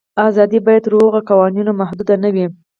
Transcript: آزادي باید تر هغو قوانینو محدوده نه وي.